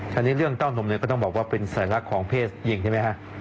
คราวนี้เรื่องเต้านมก็ต้องบอกว่าเป็นสาระของเพศจริงใช่ไหมครับ